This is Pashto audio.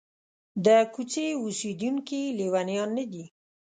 د کوڅې اوسېدونکي لېونیان نه دي.